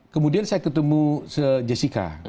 kemudian saya ketemu jessica